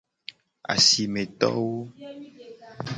Asimetowo.